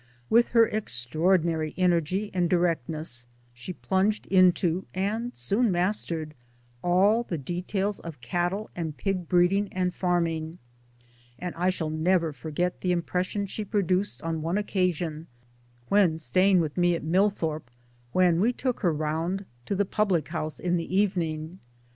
With her extraordinary energy and directness she plunged into and soon mastered 1 all the details of cattle and pig breeding and farming ; and I shall never forget the impression she produced on one occasion when staying with me at Millthorpe, when we took' her round to the public ho use in the evening.